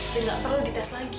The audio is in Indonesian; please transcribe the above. dia enggak perlu dites lagi